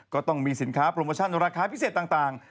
ก็ต้องมีสินค้าโปรโมชั่นราคาพิเศษต่าง